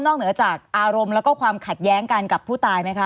เหนือจากอารมณ์แล้วก็ความขัดแย้งกันกับผู้ตายไหมคะ